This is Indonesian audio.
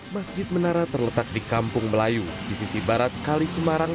masjid menara terletak di kampung melayu di sisi barat kali semarang